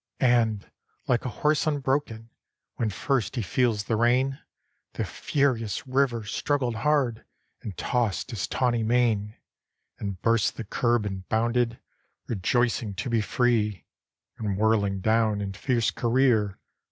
And, like a horse unbroken When first he feels the rein, The furious river struggled hard, And tossed his tawny mane, And burst the curb, and bounded. Rejoicing to be free. And whirling down, in fierce career.